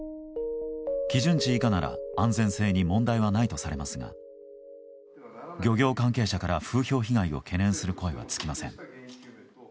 基準値以下なら安全性に問題はないとされますが漁業関係者から風評被害を懸念する声が尽きません。